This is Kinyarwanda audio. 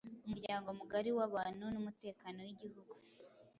umuryango mugari w’abantu n’umutekano w’igihugu.